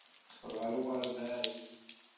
Teqqel ɣer uɣerbaz.